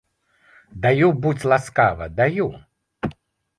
Даю, будзь ласкава, даю!